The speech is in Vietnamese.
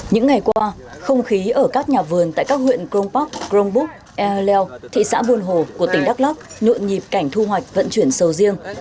những ngày qua không khí ở các nhà vườn tại các huyện cron park grong búc e leo thị xã buôn hồ của tỉnh đắk lắc nhộn nhịp cảnh thu hoạch vận chuyển sầu riêng